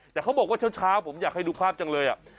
แต่เขาบอกว่าเช้าผมอยากให้ดูภาพจังเลย